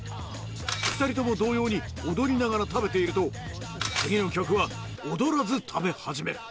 ２人とも同様に踊りながら食べていると次の客は踊らず食べ始める。